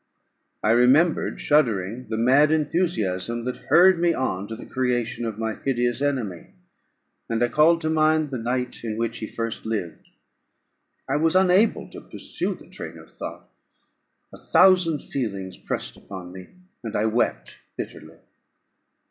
I remembered, shuddering, the mad enthusiasm that hurried me on to the creation of my hideous enemy, and I called to mind the night in which he first lived. I was unable to pursue the train of thought; a thousand feelings pressed upon me, and I wept bitterly.